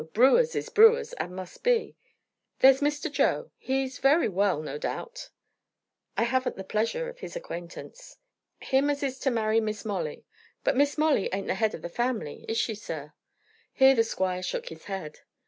Brewers is brewers, and must be. There's Mr. Joe He's very well, no doubt." "I haven't the pleasure of his acquaintance." "Him as is to marry Miss Molly. But Miss Molly ain't the head of the family; is she, sir?" Here the squire shook his head.